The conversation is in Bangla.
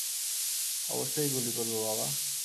অবশ্যই গুলি করবো, বাবা।